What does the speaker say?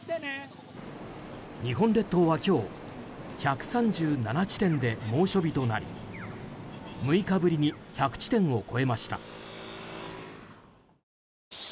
日本列島は今日１３７地点で猛暑日となり６日ぶりに１００地点を超えました。